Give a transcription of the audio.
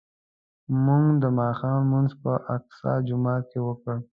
موږ د ماښام لمونځ په الاقصی جومات کې وکړ.